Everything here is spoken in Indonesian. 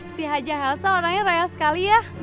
si hajah elsa orangnya royal sekali ya